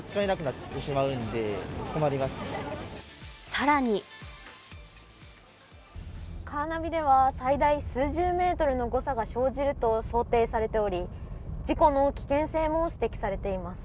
更にカーナビでは最大数十メートルの誤差が生じると推定されており事故の危険性も指摘されています。